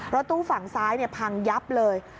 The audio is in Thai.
รถตู้ฝั่งซ้ายพังยับเลย